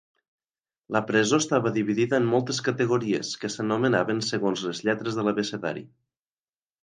La presó estava dividida en moltes categories, que s'anomenaven segons les lletres de l'abecedari.